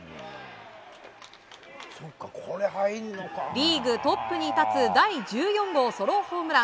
リーグトップに立つ第１４号ソロホームラン！